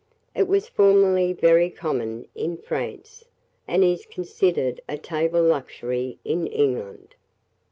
It was formerly very common in France, and is considered a table luxury in England.